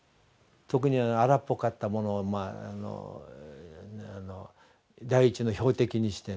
特に荒っぽかった者を第一の標的にしてね。